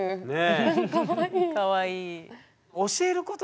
かわいい。